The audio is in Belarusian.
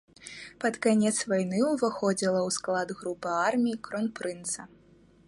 Пад канец вайны ўваходзіла ў склад групы армій кронпрынца.